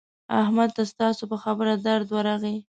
احمد ته ستاسو په خبره درد ورغی.